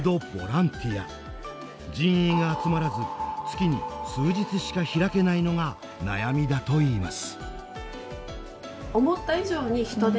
人員が集まらず月に数日しか開けないのが悩みだといいます。